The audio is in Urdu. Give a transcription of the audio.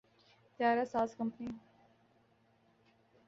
طیارہ ساز کمپنی